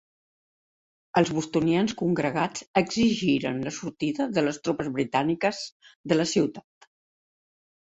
Els bostonians congregats exigiren la sortida de les tropes britàniques de la ciutat.